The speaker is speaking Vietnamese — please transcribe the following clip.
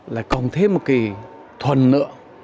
là còn thêm một cái thuần nữa